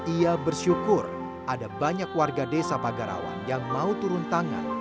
ia bersyukur ada banyak warga desa pagarawan yang mau turun tangan